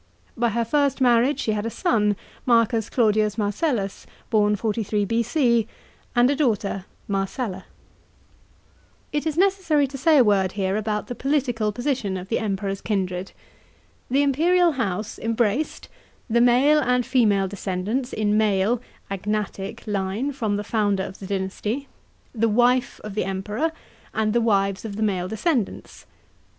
By her first marriage she had a son, M. Claudius Marcellus (born 43 B.C.), and a daughter Marcella. It is necessary to say a word here about the political position of 42 B.O. IMPERIAL COJNttOKTS. 47 the Emi>eror'8 kindred. The imperial house embraced : the male and female descendants in male (agnatic) line from the founder of the d \nasty; the wife of the Emperor; and the wives of the male de scendants.